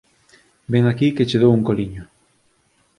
Vén aquí que che dou un coliño.